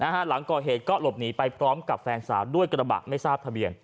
หลังก่อเหตุก็หลบหนีไปพร้อมกับแฟนสาวด้วยกระบะไม่ทราบทะเบียน